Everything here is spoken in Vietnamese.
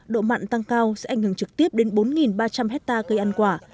độ mặn tăng cao sẽ ảnh hưởng trực tiếp đến bốn ba trăm linh hectare cây ăn quả